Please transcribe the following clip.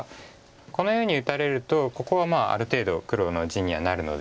このように打たれるとここはある程度黒の地にはなるので。